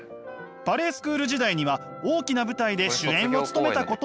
バレエスクール時代には大きな舞台で主演を務めたことも。